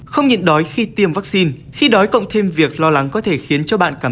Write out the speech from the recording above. không nhận đói khi tiêm vaccine khi đói cộng thêm việc lo lắng có thể khiến cho bạn cảm